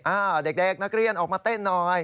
เด็กนักเรียนออกมาเต้นหน่อย